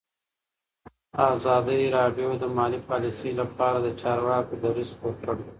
ازادي راډیو د مالي پالیسي لپاره د چارواکو دریځ خپور کړی.